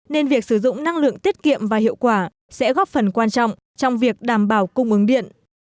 nên việc sử dụng năng lượng tiết kiệm và hiệu quả sẽ góp phần quan trọng trong việc đảm bảo cung ứng điện